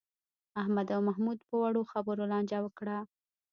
احمد او محمود په وړو خبرو لانجه وکړه.